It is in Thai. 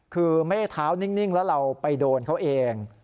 คือแม่เท้านิ่งแล้วเราไปโดนเขาเอง